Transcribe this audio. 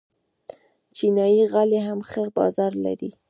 چینايي غالۍ هم ښه بازار لري.